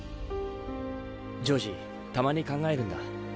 ジョージたまに考えるんだ。